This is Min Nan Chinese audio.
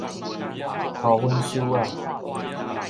塗粉欶仔